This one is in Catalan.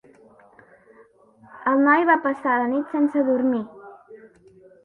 El noi va passar la nit sense dormir.